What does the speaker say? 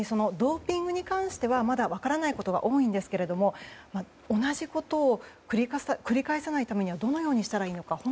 ドーピングに関してはまだ分からないことは多いんですけど同じことを繰り返さないためにはどのようにしたらいいのか